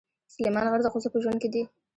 سلیمان غر د ښځو په ژوند کې دي.